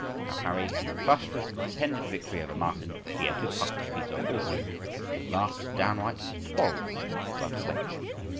How Harry, flushed with his pretended victory over Martin, began to huff Peter also, and at last downright quarrelled with him about a wench.